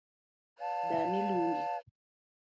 Dani luongi